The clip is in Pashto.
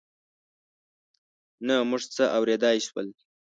نه موږ څه اورېدای شول.